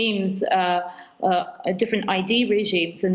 dan mengawasi berbagai regimen berbagai regimen id